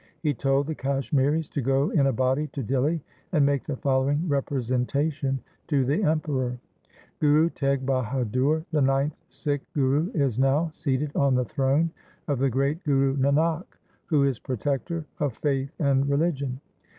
He told the Kashmiris to go in a body to Dihli and make the following representation to the Emperor :' Guru Teg Bahadur, the ninth Sikh Guru is now seated on the throne of the great Guru Nanak, who is protector of faith and religion.